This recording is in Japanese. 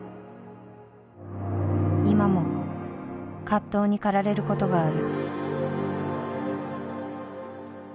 今も葛藤に駆られることがある。